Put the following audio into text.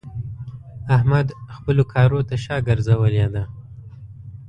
احمد خپلو کارو ته شا ګرځولې ده.